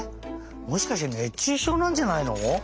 もしかして熱中症なんじゃないの？